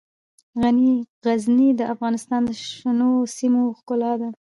غزني د افغانستان د شنو سیمو ښکلا ده.